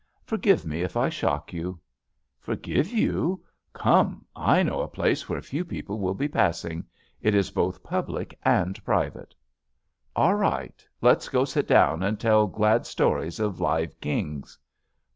Forgive me if I shock you." "Forgive youl Come, I know a place ^ JUST SWEETHEARTS J^ where few people will be passing. It is both public and private." "All right. Let's go sit down and tell glad stories of live kings."